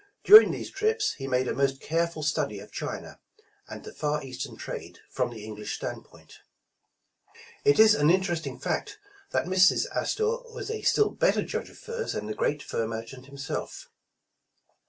During these trips he made a most care 134 The East India Pass ful study of China, and the far Eastern trade, from the English standpoint. It is an interesting fact, that Mrs. Astor was a still better judge of furs than the great fur merchant him self.